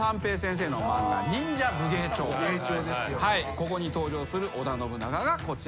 ここに登場する織田信長がこちらです。